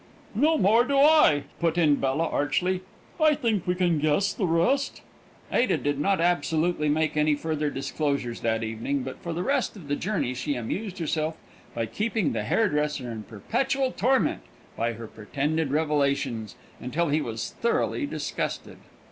"No more do I," put in Bella, archly. "I think we can guess the rest." Ada did not absolutely make any further disclosures that evening; but for the rest of the journey she amused herself by keeping the hairdresser in perpetual torment by her pretended revelations, until he was thoroughly disgusted.